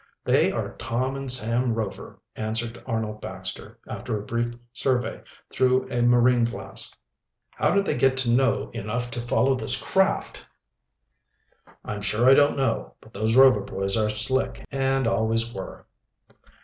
"They are Tom and Sam Rover," answered Arnold Baxter, after a brief survey through a marine glass. "How did they get to know enough to follow this craft?" "I'm sure I don't know. But those Rover boys are slick, and always were."